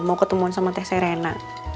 mau ketemuan sama teh serena